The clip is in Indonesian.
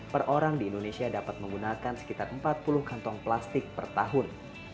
per orang di indonesia dapat menggunakan sekitar empat puluh kantong plastik per tahun